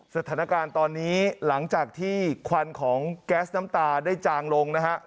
สถานการณ์ตอนนี้หลังจากที่ควันของแก๊สน้ำตาได้จางลงนะฮะ